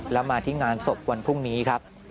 แล้วมาที่งานศพวันพรุ่งนี้ครับ